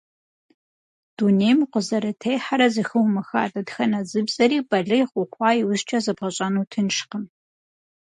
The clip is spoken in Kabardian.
Дунейм укъызэрытехьэрэ зэхыумыха дэтхэнэ зы бзэри балигъ ухъуа иужь зэбгъэщӀэну тыншкъым.